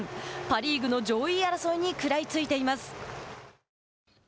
パ・リーグの上位争いに食らいついています。